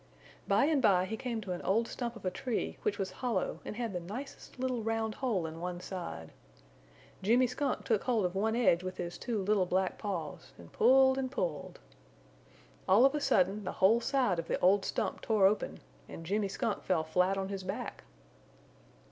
By and by he came to an old stump of a tree which was hollow and had the nicest little round hole in one side. Jimmy Skunk took hold of one edge with his two little black paws and pulled and pulled. All of a sudden the whole side of the old stump tore open and Jimmy Skunk fell flat on his back.